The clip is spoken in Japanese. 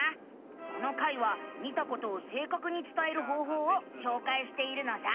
この回は見たことをせいかくにつたえる方法をしょうかいしているのさ。